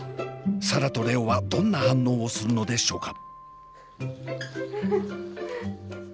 紗蘭と蓮音はどんな反応をするのでしょうか？